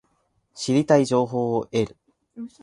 知りたい情報を得る